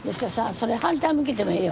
それ反対向けてもええよ。